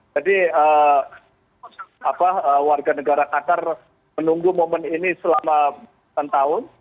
jadi warga negara qatar menunggu momen ini selama setahun